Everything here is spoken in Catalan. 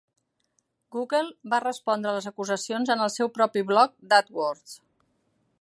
Google va respondre les acusacions en el seu propi blog d'AdWords.